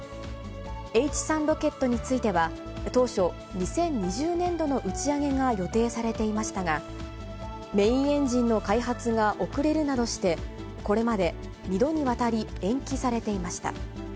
Ｈ３ロケットについては、当初、２０２０年度の打ち上げが予定されていましたが、メインエンジンの開発が遅れるなどして、これまで２度にわたり、延期されていました。